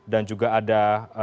dan juga ada